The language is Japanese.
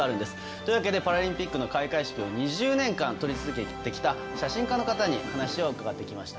というわけでパラリンピックの開会式を２０年間撮り続けてきた写真家の方に話を伺ってきました。